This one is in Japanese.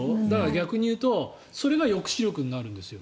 逆に言うとそれが抑止力になるんですよ。